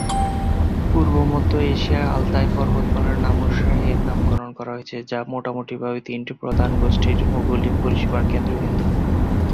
পূর্ব-মধ্য এশিয়ার আলতাই পর্বতমালার নামানুসারে এর নামকরণ করা হয়েছে যা মোটামুটিভাবে তিনটি প্রধান গোষ্ঠীর ভৌগোলিক পরিসীমার কেন্দ্রবিন্দু।